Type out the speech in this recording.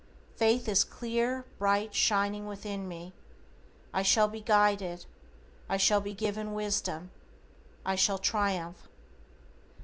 Faith is clear, bright, shining within me. I shall be guided. I shall be given wisdom. I shall triumph.